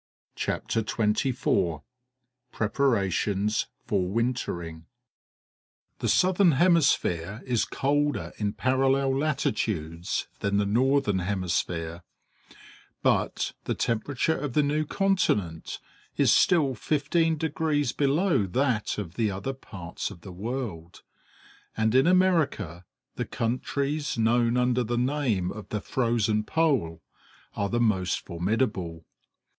CHAPTER XXIV PREPARATIONS FOR WINTERING The southern hemisphere is colder in parallel latitudes than the northern hemisphere; but the temperature of the new continent is still 15 degrees below that of the other parts of the world; and in America the countries known under the name of the Frozen Pole are the most formidable.